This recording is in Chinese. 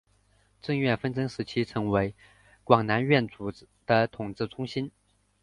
郑阮纷争时期成为广南阮主的统治中心。